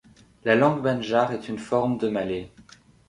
La langue banjar est une forme de malais.